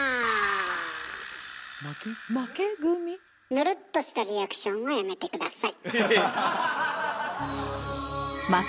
ぬるっとしたリアクションはやめて下さい。